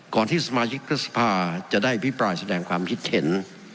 ก่อนที่สมาชิกรัฐสภาจะได้พิปรายแสดงความคิดเห็น